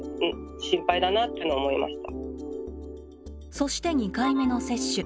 そして２回目の接種。